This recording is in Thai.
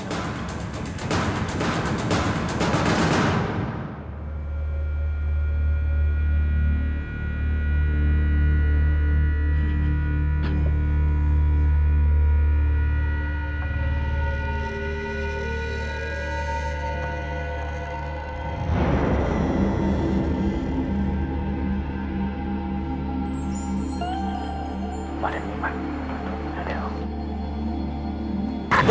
มันมีมันนั่นเดี๋ยว